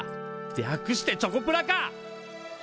略してチョコプラか！